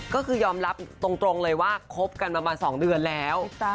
ก็คือยอมรับตรงเลยว่าคบกันมา๒เดือนแล้ว